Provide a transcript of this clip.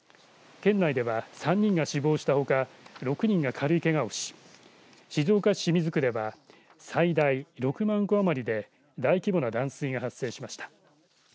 県内では３人が死亡したほか６人が軽いけがをし静岡市清水区では最大６万戸余りで大規模な断水が発生しました。